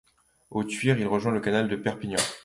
Après Thuir, il rejoint le canal de Perpignan.